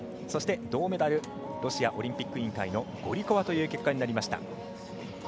そして、銅メダルロシアオリンピック委員会のゴリコワという結果になりました。